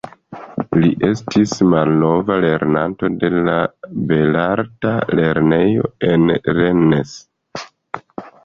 Li estis malnova lernanto de la belarta lernejo en Rennes.